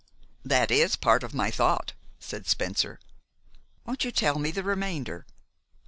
"That is part of my thought," said Spencer. "Won't you tell me the remainder?"